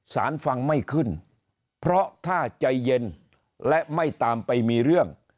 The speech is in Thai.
ฟังไม่ขึ้นเพราะถ้าใจเย็นและไม่ตามไปมีเรื่อง